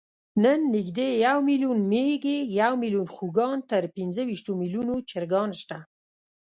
نن نږدې یو میلیون مېږې، یو میلیارد خوګان، تر پینځهویشتو میلیونو چرګان شته.